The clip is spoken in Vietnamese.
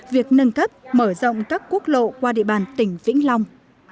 việc nâng cấp mở rộng các quốc lộ qua địa bàn tỉnh vĩnh long